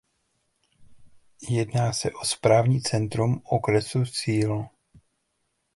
Jedná se o správní centrum okresu Celle.